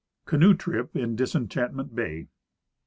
Canoe Trip in Disenchantment Bay.